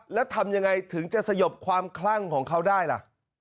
แล้วทำยังไงถึงจะสยบความคลั่งของเขาได้ล่ะ